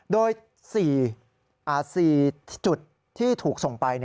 โดย๔จุดที่ถูกส่งไป